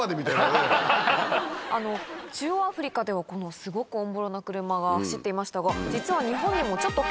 中央アフリカではすごくオンボロな車が走っていましたが実は。